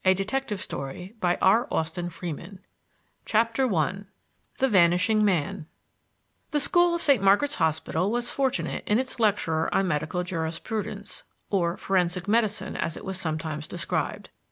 THE END OF THE CASE THE EYE OF OSIRIS CHAPTER I THE VANISHING MAN The school of St. Margaret's Hospital was fortunate in its lecturer on Medical Jurisprudence, or Forensic Medicine, as it is sometimes described.